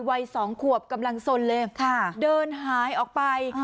วัยสองขวบกำลังสนเลยเดินหายออกไป